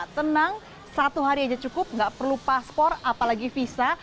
tenang satu hari aja cukup nggak perlu paspor apalagi visa